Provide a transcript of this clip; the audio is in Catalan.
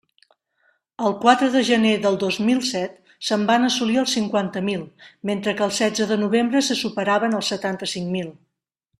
El quatre de gener del dos mil set se'n van assolir els cinquanta mil, mentre que el setze de novembre se superaven els setanta-cinc mil.